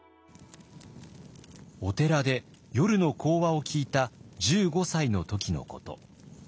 お寺で夜の講話を聞いた１５歳の時のこと。